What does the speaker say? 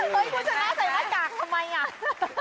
ชั้นไม่ใช่หน้ากากทำไม